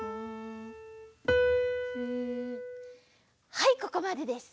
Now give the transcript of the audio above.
はいここまでです！